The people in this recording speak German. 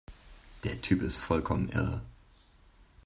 Der Typ ist vollkommen irre